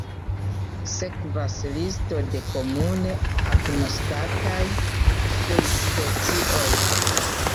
Sekvas listo de komune agnoskataj subspecioj.